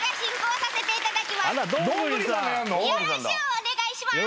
お願いします！